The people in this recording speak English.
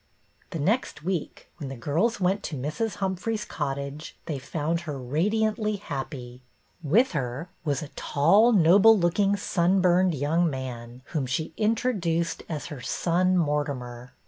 The next week when the girls went to Mrs. Humphrey's cottage they found her radiantly happy. With her was a tall, noble BETTY BAIRD 234 looking, sunburned young man, whom she introduced as her son Mortimer.